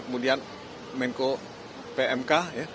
kemudian menko pmk